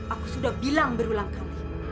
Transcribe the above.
aku sudah bilang berulang kali